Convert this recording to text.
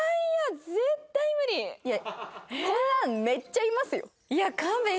いやこんなのめっちゃいますよ。